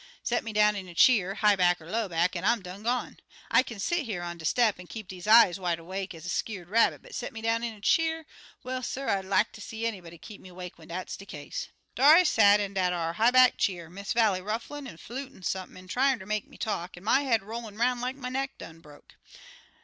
Set me down in a cheer, high back er low back, an' I'm done gone! I kin set here on de step an' keep des ez wide 'wake ez a skeer'd rabbit, but set me down in a cheer well, suh, I'd like ter see anybody keep me 'wake when dat's de case. "Dar I sot in dat ar high back cheer, Miss Vallie rufflin' an' flutin' sump'n, an' tryin' ter make me talk, an' my head rollin' 'roun' like my neck done broke.